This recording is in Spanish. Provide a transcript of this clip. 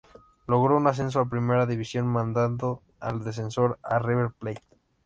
Logró un Ascenso a Primera División mandando al descenso a River Plate.